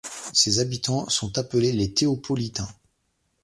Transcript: Ses habitants sont appelés les Théopolitains.